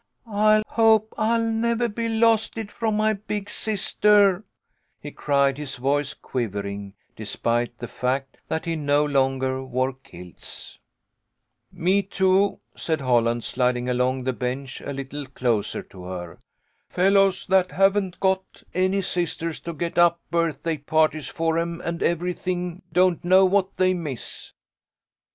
" I hope I'll never be losted from my big sister," he cried, his voice quivering, despite the fact that he no longer wore kilts. " Me, too," said Holland, sliding along the bench a little closer to her. " Fellows that haven't got any sisters to get up birthday parties for 'em and every thing don't know what they miss." A FEAST OF SAILS.